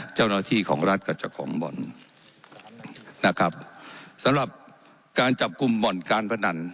เจ้าหน้าที่ของรัฐกับเจ้าของบ่อนนะครับสำหรับการจับกลุ่มบ่อนการพนัน